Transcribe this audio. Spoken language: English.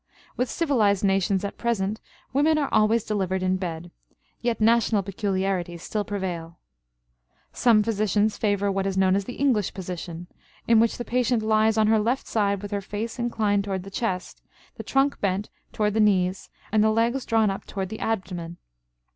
With civilized nations at present women are always delivered in bed; yet national peculiarities still prevail. Some physicians favor what is known as the English position, in which the patient lies on her left side with her face inclined toward the chest, the trunk bent toward the knees, and the legs drawn up toward the abdomen.